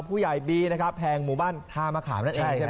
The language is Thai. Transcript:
ผู้ใหญ่ดีนะแผ่งหมู่บ้านทามระขาม